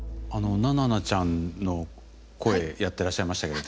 ナナナちゃんの声やっていらっしゃいましたけれども。